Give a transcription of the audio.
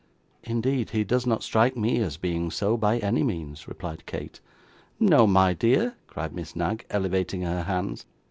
'Indeed he does not strike me as being so, by any means,' replied Kate. 'No, my dear!' cried Miss Knag, elevating her hands.